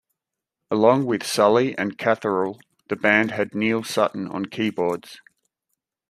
Along with Sulley and Catherall, the band had Neil Sutton on keyboards.